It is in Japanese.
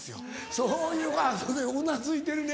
そういうあっうなずいてるね。